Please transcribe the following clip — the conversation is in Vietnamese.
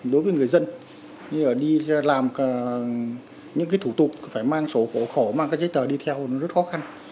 đối với người dân đi làm những thủ tục phải mang sổ hộ khẩu mang các giấy tờ đi theo rất khó khăn